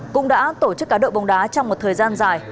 cũng đã tổ chức cá độ bóng đá trong một thời gian dài